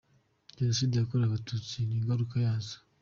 Jenoside yakorewe abatutsi mu n’ingaruka zayo.